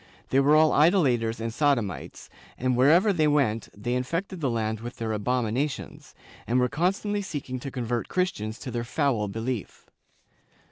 They were all idolators and sodomites, and wherever they went they infected the land with their abomi nations, and were constantly seeking to convert Christians to their foul belief.